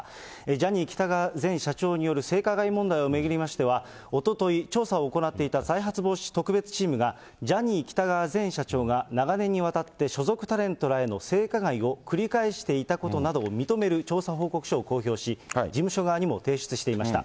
ジャニー喜多川前社長による性加害問題を巡りましては、おととい、調査を行っていた再発防止特別チームが、ジャニー喜多川前社長が長年にわたって所属タレントらへの性加害を繰り返していたことなどを認める調査報告書を公表し、事務所側にも提出していました。